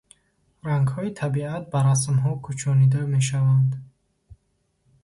Рангҳои табиат ба расмҳо кӯчонида мешаванд.